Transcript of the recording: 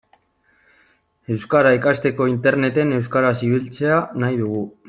Euskara ikasteko Interneten euskaraz ibiltzea nahi dugu.